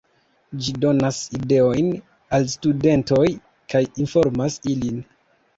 Ĝi donas ideojn al studentoj kaj informas ilin.